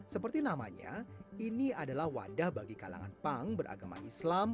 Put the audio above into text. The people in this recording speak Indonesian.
seperti namanya ini adalah wadah bagi kalangan punk beragama islam